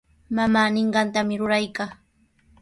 Mamaa ninqantami ruraykaa.